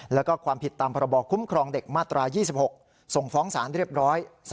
แล้วก็ความผิดตามพบคุ้มครองเด็กมาตรา๒๖ส่งฟ้องสารเรียบร้อย